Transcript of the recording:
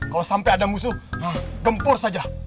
kalau sampai ada musuh gempur saja